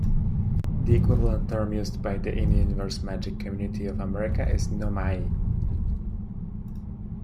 The equivalent term used by the in-universe magic community of America is No-Maj.